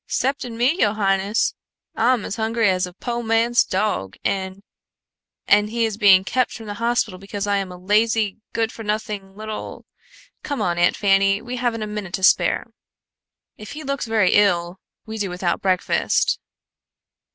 "'Ceptin' me, yo' highness. Ah'm as hungry as a poah man's dawg, an' " "And he is being kept from the hospital because I am a lazy, good for nothing little Come on, Aunt Fanny; we haven't a minute to spare. If he looks very ill, we do without breakfast."